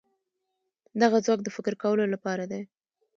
دغه ځواک د فکر کولو لپاره دی.